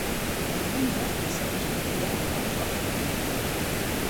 Diumenge en Sergi irà a Moncofa.